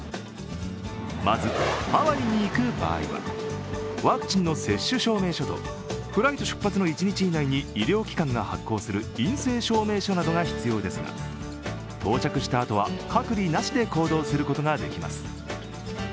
まずハワイに行く場合は、ワクチンの接種証明書とフライト出発の１日以内に医療機関が発行する陰性証明書などが必要ですが到着したあとは、隔離なしで行動することができます。